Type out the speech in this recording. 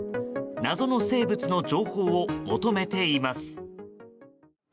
謎の生物の情報を求めています。